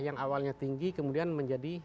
yang awalnya tinggi kemudian menjadi